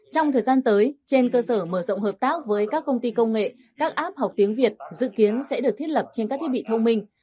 trong thời gian tới trên cơ sở mở rộng hợp tác với các công ty công nghệ các app học tiếng việt dự kiến sẽ được thiết lập trên các thiết bị thông minh